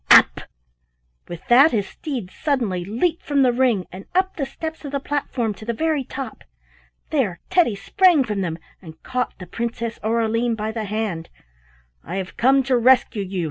up!" With that his steeds suddenly leaped from the ring and up the steps of the platform to the very top. There Teddy sprang from them and caught the Princess Aureline by the hand. "I have come to rescue you!"